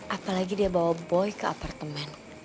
apalagi dia bawa boy ke apartemen